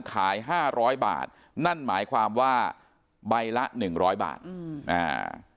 ห้าร้อยบาทนั่นหมายความว่าใบละหนึ่งร้อยบาทอืมอ่า